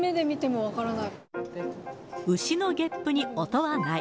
牛のゲップに音はない。